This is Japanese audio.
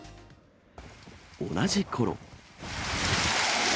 同じころ。